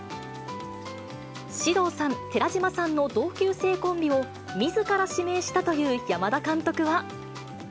獅童さん、寺島さんの同級生コンビを、みずから指名したという山田監督は。